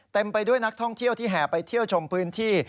ไปด้วยนักท่องเที่ยวที่แห่ไปเที่ยวชมพื้นที่